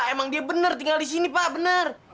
emang dia bener tinggal di sini pak bener